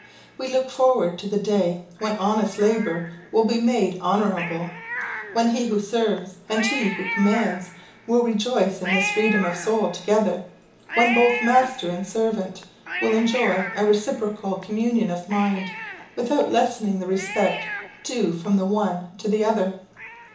We look forward to the day when honest labour will be made honourable; when he who serves, and he who commands, will rejoice in this freedom of soul together; when both master and servant will enjoy a reciprocal communion of mind, without lessening the respect due from the one to the other.